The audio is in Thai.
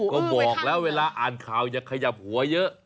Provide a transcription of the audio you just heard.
ก็บอกแล้วเวลาอ่านข่าวอย่าขยับหัวเยอะ